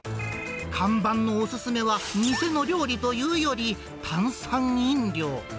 看板のお勧めは、店の料理というより炭酸飲料。